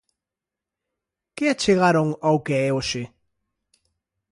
Que achegaron ao que é hoxe?